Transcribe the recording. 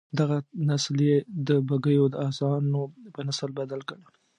دغه نسل یې د بګیو د اسانو په نسل بدل کړ.